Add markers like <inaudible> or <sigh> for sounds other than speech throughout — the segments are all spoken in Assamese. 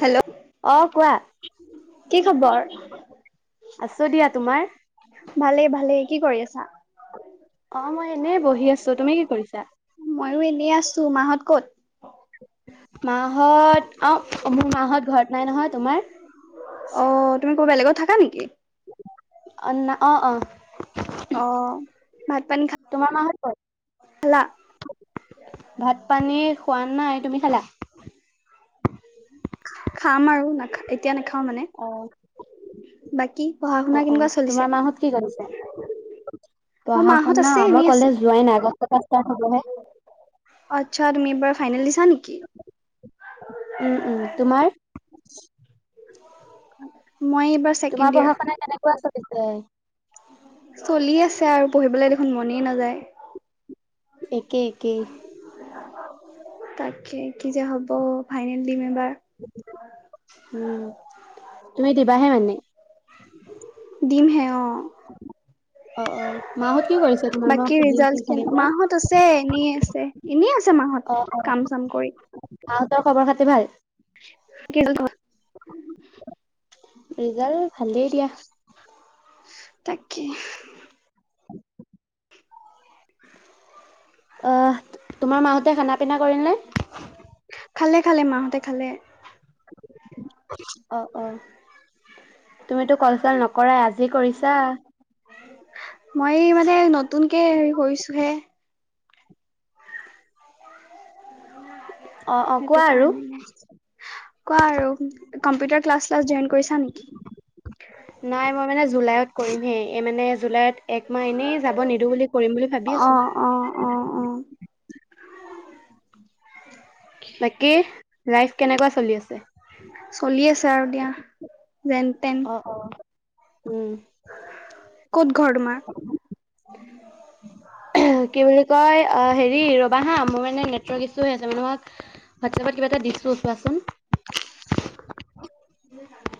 হেল্ল' অ', কোৱা? কি খবৰ? আছো দিয়া তোমাৰ ভালেই ভালেই। কি কৰি আছা? অ', মই এনে বহি আছো তুমি কি কৰিছা? তোৰ মাহত কত? মা হত অঁ, মোৰ মাহঁত ঘৰত নাই নহয়। তোমাৰ? অ তুমি ক'ব বেলেগত থাকা নেকি? <unintelligible> অঁ, অঁ। অঁ ভাত পানী খালা? তোমাৰ মাহত ক'ত ভাত পানী খোৱা নাই। তুমি চলা খাম আৰু নাখা এতিয়া নাখাও মানে। আহ বাকী পঢ়া শুনা অ' অ', কেনেকুৱা চলিছে? তোমাৰ মাহত কি কৰিছে? মোৰ পঢ়া মাহত শুনা, আছে মই এনেই আছে। কলে যোৱাই নাই আগষ্টৰ পৰা ষ্টাৰ্ট হবহে। আচ্ছা তুমি এইবাৰ ফাইনেল দিছা নেকি? উম উম। তোমাৰ? মই এইবাৰ তোমাৰ ছেকেণ্ড পঢ়া ইয়াৰ। শুনা <unintelligible> চলি আছে আৰু, পঢ়িবলৈ দেখোন মনেই নাযায়। একেই একেই। তাকেই। কি যে হ'ব ফাইনেল দিম এবাৰ। উম তুমি দিবাহে মানে? দিম হে অ'। অ অ মাহত কি কৰিছে তোমাৰ মই বাকী সুধি আছো ৰিজাল্ট কেনে? অথনিৰ পৰা মাহত আছে, এনেই আছে, এনে আছে মাহত কাম চাম কৰি। ৰ খবৰ খাতি ভাল? <inaudible> ৰিজাল্ট ভালে দিয়া। তাকে উম। অ'। তোমাৰ মাহতে খানা পিনা কৰিল নে? খালে খালে মাহঁতে খালে। অ' অ' তুমিতো কলচল নকৰাই আজি কৰিছা। মই মানে নতুনকে হেৰি কৰিছোহে অ', অ', সেইটো কোৱা আৰু। কাৰণেই। কোৱা আৰু কম্পিউটাৰ ক্লাছ চাচ জইন কৰিছা নেকি? নাই মই মানে জুলাইত কৰিমহে এই মানে জুলাইত একমাহ এনেই যাব নিদো বুলি কৰিম বুলি ভাবি অ আছো। অ অ অ বাকী লাইফ কেনেকুৱা চলি আছে? চলি আছে আৰু দিয়া। যেন তেন অ', অ'। উম কত ঘৰ তোমাৰ কি বুলি কয় অ' হেৰি ৰবা হা মোৰ মানে নেটৰ্ক ইচু হৈ আছে মানে তোমাৰ কিবা এটা দিছছো চোৱাচোন। <inaudible>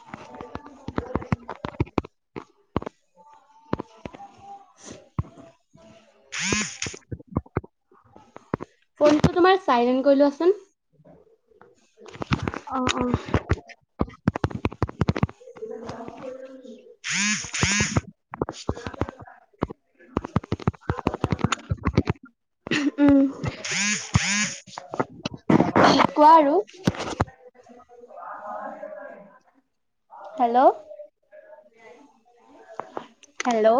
<inaudible> <inaudible> ফনটো তোমাৰ চাইলেন্ট কৈ লোৱাচোন। অহ অ'। উ কোৱা আৰু হেল্লো' হেল্লো'।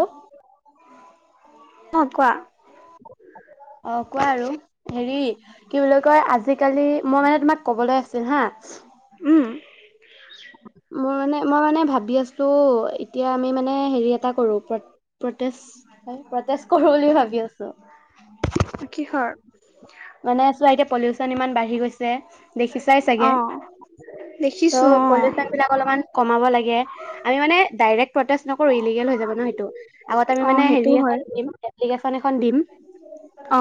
অ' কোৱা অ' কোৱা আৰু। হেৰি কি বুলি কয় আজি আজ কালি মই মানে তোমাক ক'বলৈ আছিল হা উম। মই মানে মই মানে ভাবি আছোঁ এতিয়া আমি মানে হেৰি এটা কৰো প্ৰটেষ্ট কৰো বুলি ভাবি আছো। কি খৰ মানে চোৱা এতিয়া পলিউচন ইমান বাঢ়ি গৈছে দেখি চাই চাগে অ ত' দেখিছো অ পলিউচন বিলাক অলপমান কমাব লাগে আমি মানে ডাইৰেক্ট প্ৰটেষ্ট নকৰো ইলিগেল হৈ যাব ন সেইটো, আগত আমি অ মানে সেইটো হেৰি হয় হ'ল <inaudible> ন এখন দিম অ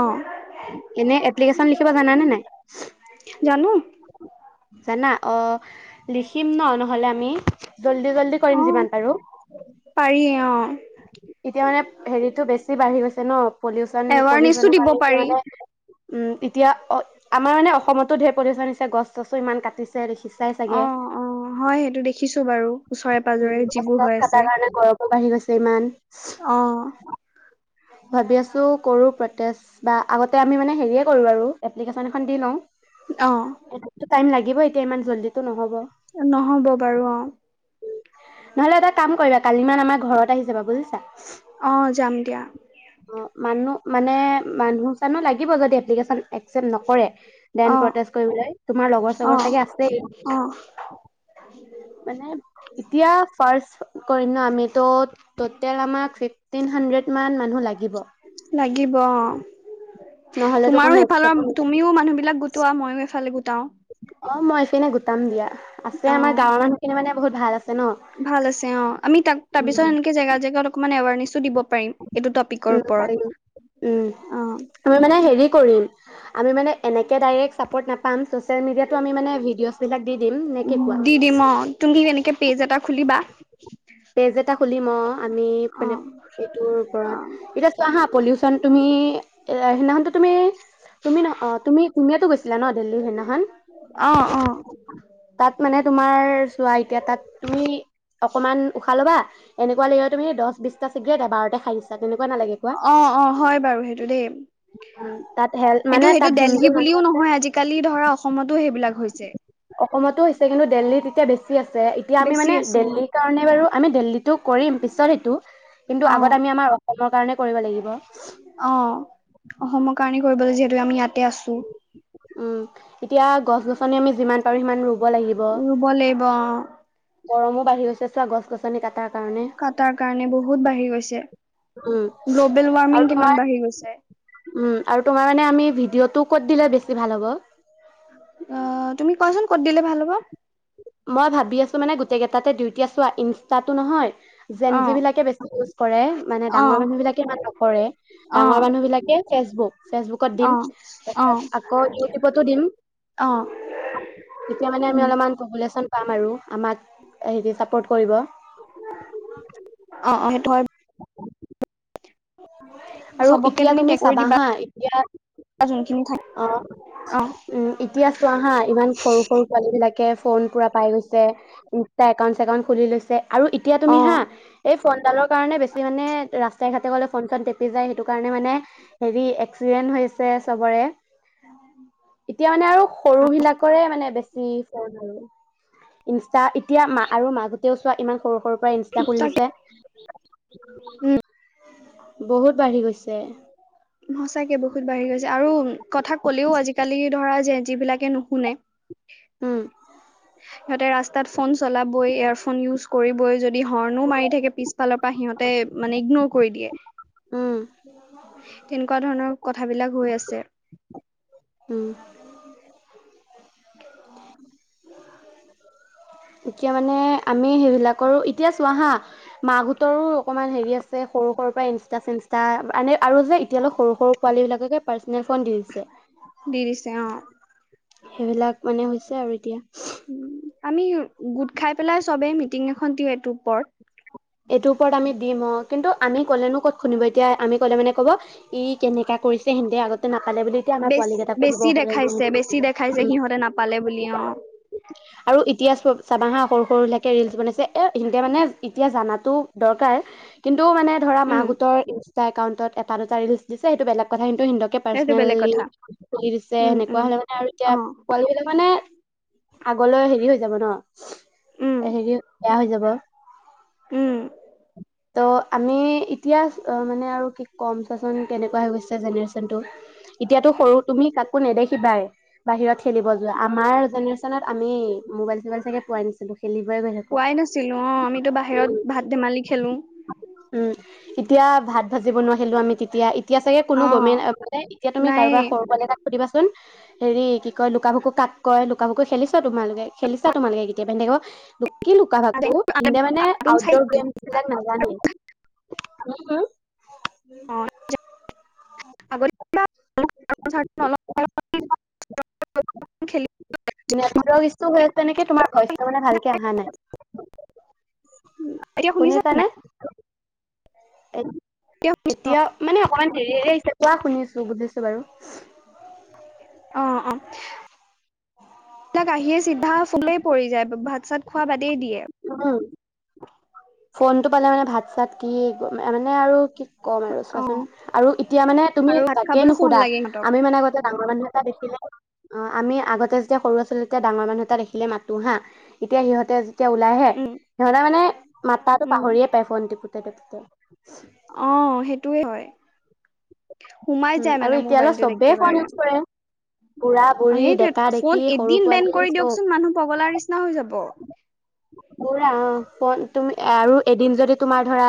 এনে এপ্লিকেশচন লিখিব জানানে নাই? জানো জানা? অ'। লিখিম ন নহলে আমি জল্দি জল্দি কৰিম অ যিমান পাৰো। পাৰি অ এতিয়া মানে হেৰিতটো বেছি বাঢ়ি গৈছে ন পলিউচন এৱাৰনেছো পলিউচনৰ দিব কাৰণে এতিয়া পাৰি মানে উম এতিয়া অ' আমাৰ মানে অসমতো ঢেৰ প্ৰতিদচন গছ চছো ইমান কাটিছে। দেখিছাই চাগে অ' অ' হয় সেইটো দেখিছো বাৰু। ওচৰে উ পাজৰে যিবোৰ কষ্টত হৈ আছে কটাৰ কাৰণে গৰমো বাঢ়ি গৈছে ইমান। অ ভাবি আছোঁ কৰো প্ৰটৈষ্ট, বা আগতে আমি মানে হেৰী এই কৰো আৰু, এপ্লিকেশ্যান এখন দি লও। অ'। টাইম লাগিব এয়া, ইমান জল্দিটো নহ'ব। নহব বাৰু অ'। নহলে এটা কাম কৰিবা, কালি মানে আমাৰ ঘৰত আহি যাবা বুজিছা। অ' যাম দিয়া। অ' মানুহ মানে মানুহ চানো লাগিব যদি এপ্লিকেশ্যন <unintelligible> নকৰে দেন অ কৰিবলৈটো আমি প্ৰটৈষ্ট কৰিবলৈ, তোমাৰ লগৰ অ চগৰ চাগে আছে অ মানে। এতিয়া চাইজ কৰিম ন, আমিতো ট'টেল আমাক ফিফটিন হাণ্ড্ৰেড মান মানুহ লাগিব। লাগিব অ নহ'লেতো তোমাৰো কোনো একচেপ্ট সেইফালৰ, তুমিও মানুহ বিলাক গোটোৱা, মইও এইফালে গোটাও। অ, মই এইফালে গোটাম দিয়া আছে অ আমাৰ গাঁৱৰ মানুহখিনি মানে বহুত ভাল আছ ভাল হৈছে অ, আমি তাক তাৰপিছত এনেকে জেগা জেগাত অলমান এৱাৰনেছো দিব পাৰিম, এইটো টপিকৰ উম, ওপৰত, অ এনে হেৰি কৰোঁ, আমি মানে এনেকে দাইৰেক্ট চাপ'ৰ্ট নাপাম, চ'চ চচিয়েল মিডিয়াটো আমি মানে ভিডিঅ'ছবিলাক দি দিম, নে কি কোৱা? দি দিম অ তুমি এনেকে পেজ এটা খুলিবা পেজ এটা খুলিম অ' আমি অ মানে এইটোৰ ওপৰত অ এতিয়া চোৱা হা পলিউচন তুমি এ সেইদিনাখনতো তুমি তুমি ন, অ তুমি তুমিয়েতো গৈছিলা ন দিল্লী সেইদিনাখন? অ অ তাত মানে তোমাৰ চোৱা এতিয়া তাত তুমি অকমান ভাল হবা, এনেকুৱা লাগিব তুমি দহ-বিশটা চিগৰেট এবাৰতে খাই দিছা তেনেকুৱা নালাগে কোৱা। অ অ হয় বাৰু সেইটো দেই উম, তাত হেল্থ সেইটো মানে সেইটো তাত দেলহি যোনটো মানুহ বুলিও আছে। নহয় আজিকালি ধৰা অসমতো সেইবিলাক হৈছে। অসমতো হৈছে, কিন্তু দেল্লীত এতিয়া বেছি আছে, এতিয়া আমি বেছি মানে আছে দেল্লীৰ কাৰণে বাৰু আমি দেল্লীত টো কৰিম পিছত সেইটো। কিন্তু, অ অ আগত আমি আমাৰ অসমৰ কাৰণে কৰিব লাগিব। অ অসমৰ কাৰণে কৰিব লাগে। যিহেতু, আমি ইয়াতে আছোঁ। উম, এতিয়া গছ-গছনি আমি যিমান পাৰো সিমান ৰুব লাগিব। ৰুব লাগিব, অ'। <unintelligible> কাটাৰ কাৰণে বহুত বাঢ়ি গৈছে। উম, গ্ল'বেল আৰু ৱাৰ্মিং তোমাৰ কিমান বাঢ়ি গৈছে। উম আৰু তোমাৰ মানে আমি ভিডিঅ'টো ক'ত দিলে বেছি ভাল হ'ব অ তুমি কোৱাচোন কত দিলে ভাল হ'ব মই ভাবি আছো মানে গোটেই কেইটাতে ডুউ এতিয়া চোৱা ইনষ্টাটো নহয় যেন অ যি বিলাকে বেছি ইউজ কৰে মানে অ ডাঙৰ মানুহ বিলাকে ইমান নকৰে অ ডাঙৰ মানুহ বিলাকে ফেচবুক ফেচবুকত দিম অ তাৰি অ আকৌ ইউটিউবতো দিম অ তেতিয়া মানে আমি উম অলপমান কব পাম আৰু আমক হেৰী ফটো কৰিব তোমাৰ <inaudible> আৰু চবকে এতিয়া তুমি টেগ কৰি চাবা দিবা হা, এতিয়া যোনখিনি থাকে অ', অ উম, এতিয়া চোৱা হা ইমান সৰু-সৰু পোৱালীবিলাক কে ফোন পুৰা পাই গৈছে, ইনষ্টটা একাউন্ট-চছেকাউন্ট খুলি লৈছে। আৰু এতিয়া অ তুমি হা এই ফোনডালৰ কাৰণে বেছি মানে ৰাস্তাই-ঘাটে গ'লে ফন-চন টিপি যায়, সেইটো কাৰণে মানে হেৰি এক্সিডেন হৈছে চবৰে। এতিয়া মানে আৰু সৰুবিলাকৰে মানে বেছ <unintelligible> ইনষ্টা এতিয়া মা-আৰু মাজতেও চোৱা ইমান সৰু-সৰু পৰা ইনষ্টা খুলি তাকে দিছে। বহুত বাঢ়ি গৈছে। সঁচাকে বহুত বাঢ়ি গৈছে আৰু কথা ক'লেও আজিকালি ধৰা জেন যিবিলাকে নুশুনে। উম। সিহঁতে ৰাস্তাত ফোন চলাবই, ইয়াৰফোন ইউজ কৰিবই, যদি হৰ্ণো মাৰি থাকে পিছফালৰ পৰা সিহঁতে মানে ইগনোৰ কৰি দিয়ে। উম, তেনেকুৱা ধৰণৰ কথাবিলাক হৈ আছে। উম। <inaudible> এতিয়া মানে, আমি সেইবিলাকৰো, এতিয়া চোৱা হা, মাকহঁতৰো অকণমান হেৰি আছে। সৰু, সৰুৰ পৰা ইনষ্টা-চিনষ্টা, এনে, আৰু যে এতিয়ালৈ সৰু- সৰু পোৱালীবিলাককে পাৰ্চনেল ফোন দি দিছে। তেওঁ সেইবিলাক মানে, হৈছে আৰু এতিয়া আমি গোট খাই পেলাই, চবেই মিটিং এখন দিওঁ, এইটোৰ ওপৰত। এইটোৰ ওপৰত আমি দিম। অ', কিন্তু আমি ক'লেনো ক'ত শুনিব? এতিয়া আমি ক'লে মানে ক'বই কেনেকা কৰিছে। সিহঁতে আগতে নাপালে বুলি এতিয়া আমাৰ বে পোৱালীকেইটাকো দিব বেছি হ'লে দেখাইছে বেছি দেখাইছে সিহঁতে নাপালে বুলি অ আৰু এতিয়া চোৱা চাবাহা, সৰু সৰুলৈকে ৰিলচ বনাইছে। এ, সিহঁতে মানে এতিয়া জানাটো দৰকাৰ। কিন্তু, মানে ধৰা উম মাকহঁতৰ ইনষ্ট টা একাউণ্টত এটা দুটা ৰিলছ দিছ সেইটো বেলেগ কথা। কিন্তু সিহঁতকে সেইটো বেলেগ পাৰ্চনেলি কথা খুলি দিছে। উম উম সেনেকুৱা হ'লে মানে, আৰু অ এতিয়া পোৱালীবিলাক মানে আগলৈ হেৰি হৈ যাব ন? উম এ, হেৰি, বেয়া হৈ যাব। উম ত আমি এতিয়া মানে আৰু কি কম চোৱাচোন কেনেকুৱা হৈ গৈছে জেনেৰেশ্যনটো। এতিয়াাতটো সৰু তুমি কাকো নেদেখিবাই বাহিৰত খেলিব যোৱা আমাৰ জেনেৰেশ্যনত আমি মোবাইল চোবাইল চাগে পোৱাই নাছিলো খেলিবই গৈ পোৱাই নাছিলো অ আমিতো থাকো। বাহিৰত ভাত ধেমালি খেলো উম' এতিয়া ভাত ভাজি বনোৱাব আহিলো আমি তেতিয়া এতিয়া চাগে কোনো অ গেণ্টে এতিয়া তুম নাই কাৰোবাৰ সৰুোৱাল এটাক সুধিবা চোন হেৰি কি কয় লুকা ভকু কাক কয় লুকা ভুকু খেলিছা তোমালোকে খেলিছা তোমালোকে কেতিয়াবা। কি লুকা ভাকো মানে কাৰ্টুন আউটৰ চাইছিলি গেম নাজানেই। হম-হম। অ আগতে কাৰ্টুন চাৰ্টুন অলপ খেলি নেটৱক ইচু হৈ আছে তেনেকে তোমাৰ ভইচ মানে ভালকে অহা নাই। উম শুনিছানে? এ এতিয়া মানে অকমান দেৰি আহিছে কোৱা শুনিছো বুজিছো বাৰু। <inaudible> তাক আহিয়ে চিধা ফোনলৈ পৰি যায় ভাত চাত খোৱা বাদেই দিয়ে। উম ফোনটো পালে মানে ভাত চাত কি মানে আৰু কি ক'ম আৰু অ চোৱাচোন আৰু এতিয়া মানে তুমি আৰু ভাত তাকে খাবলৈ নো ফোন সোধা লাগে সিহঁতক আমি মানে আগতে ডাঙৰ মানুহ এটা দেখিলে অ' আমি আগতে যেতিয়া সৰু ল'ৰা ছোৱালীতে ডাঙৰ মানুহ এটা দেখিলে মাতো হা এতিয়া সিহঁতে, এতিয়া ওলাইহে উম সিহঁতে মানে মাটাটো উম পাহৰিয়ে পায় ফোন টিপুতে-টিপুতে। সেইটোৱে হয়। সোমাই উম যাই আৰু মানে এতিয়ালৈ মোবাইলটোত চবেই ফোন একেবাৰে, ইউজ কৰে বুঢ়া অ বুঢ়ী সেইটো ডেকা ডেকি ফোন সৰু এদিন বেন পোৱালি কৰি চব দিয়কচোন মানুহ পগলাৰ নিচিনা হৈ যাব। পোৰা তুমি আৰু এদিন যদি তোমাৰ ধৰা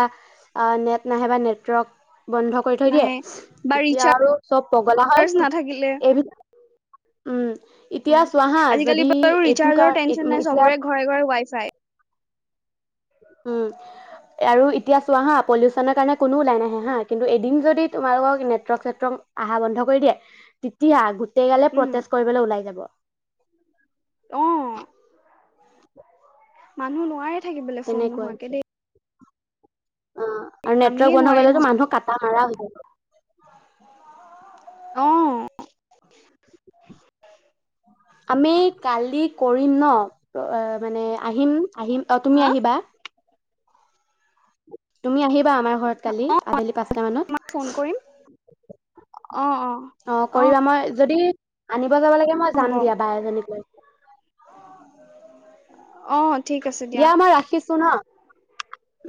অ' নেট নাহে বা নেটৱৰ্ক বন্ধ কৰি থৈ দিয়ে, নাহে বা তেতিয়া ৰিচাৰ্জ আৰু চব পগলা হয়। নাথাকিলে এই উম এতিয়া উম চোৱাহা যদি এইটো কাৰ এতিয়া ঘৰে-ঘৰে ৱাই ফাই। উম আৰু এতিয়া চোৱা হা পলিউচনৰ কাৰণে কোনো ওলাই নাহে হা কিন্তু এদিন যদি তোমালোকক নেটৱৰ্ক-চেটৱৰ্ক আহা বন্ধ কৰি দিয়ে তেতিয়া গো গোটেই গালে উম প্ৰটেষ্ট কৰিবলৈ ওলাই যাব। অহ মানুহ নোৱাৰেই থাকিবলৈ ফোন তেনেকুৱাই হৈছে। নোহোৱাকে দেই। অ আৰু নেটৱৰ্ক আমিয়ে বন্ধ নোৱাৰিম হলেতো মানুহ কটা মাৰা হয়। আহ। আমি কালি কৰিম ন? মানে আহিম আহিম অ তুমি আহিবা? তুমি আহিব- আমাৰ ঘৰত কালি অ আবেলি পাঁচটা মই ফোন কৰিম মানত। অ কৰিবা মই যদি আনিব যাব লাগে মই যাম হ'ব দিয়া বা এজনীক লয়। অ ঠিক আছে দিয়া মই ৰাখিছো ন?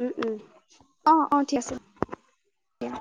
উম উম <inaudible> অ অ দিয়া।